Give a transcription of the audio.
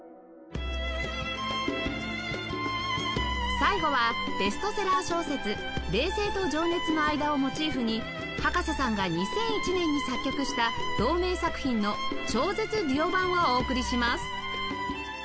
最後はベストセラー小説『冷静と情熱のあいだ』をモチーフに葉加瀬さんが２００１年に作曲した同名作品の超絶デュオ版をお送りします